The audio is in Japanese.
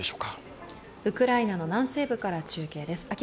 ウクライナの南西部から中継です。